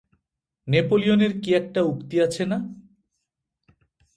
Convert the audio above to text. নোপোলিয়নের কী-একটি উক্তি আছে না।